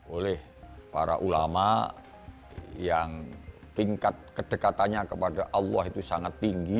oleh para ulama yang tingkat kedekatannya kepada allah itu sangat tinggi